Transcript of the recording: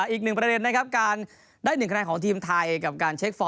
อีกหนึ่งประเด็นนะครับการได้๑คะแนนของทีมไทยกับการเช็คฟอร์ม